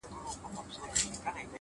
لوړ فکر د نوښتونو دروازه پرانیزي!.